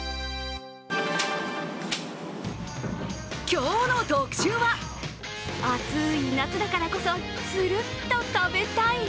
今日の特集は、暑い夏だからこそつるっと食べたい。